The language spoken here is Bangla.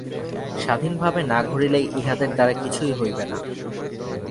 স্বাধীনভাবে না ঘুরিলে ইহাদের দ্বারা কিছুই হইবে না।